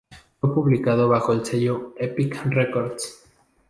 Fue publicado bajo el sello Epic Records.